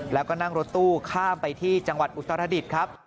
แล้วก็นั่งรถตู้ข้ามไปที่จังหวัดอุตรดิษฐ์ครับ